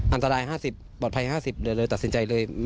อันตราย๕๐ปลอดภัย๕๐เลยเลยตัดสินใจเลย